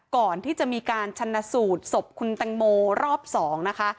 ก่อนที่จะมีการชนะสูตรศพคุณแตงโมรอบ๒นะคะ